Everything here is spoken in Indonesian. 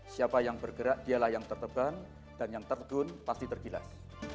siapa yang bergerak dialah yang terteban dan yang terdun pasti tergilas